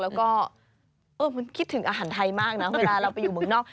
แล้วก็มันคิดถึงอาหารไทยมากนะเวลาเราไปอยู่เมืองนอก